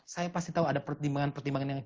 saya pasti tahu ada pertimbangan pertimbangan yang